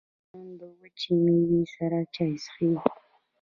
افغانان د وچې میوې سره چای څښي.